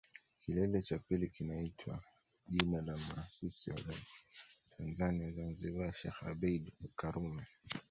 Kilele cha pili kinaitwa jina la Muasisi wa Tanzania Zanzibar Sheikh Abeid Karume